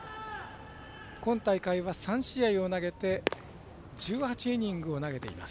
今大会は３試合を投げて１８イニングを投げています。